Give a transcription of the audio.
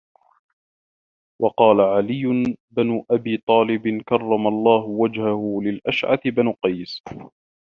وَقَالَ عَلِيُّ بْنُ أَبِي طَالِبٍ كَرَّمَ اللَّهُ وَجْهَهُ لِلْأَشْعَثِ بْنِ قَيْسٍ